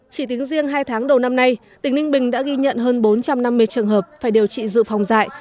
chỉ tính riêng hai tháng đầu năm nay tỉnh ninh bình đã ghi nhận hơn bốn trăm năm mươi trường hợp phải điều trị dự phòng dạy